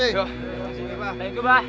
terima kasih buah